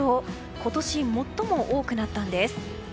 今年最も多くなったんです。